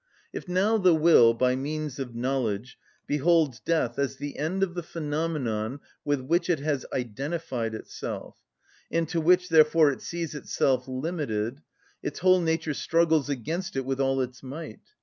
If now the will, by means of knowledge, beholds death as the end of the phenomenon with which it has identified itself, and to which, therefore, it sees itself limited, its whole nature struggles against it with all its might.